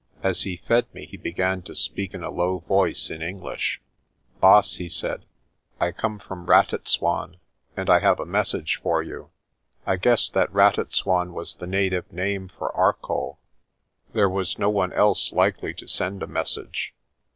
As he fed me he began to speak in a low voice in English. "Baas," he said, "I come from Ratitswan, and I have a message for you." I guessed that Ratitswan was the native name for Arcoll. There was no one else likely to send a message.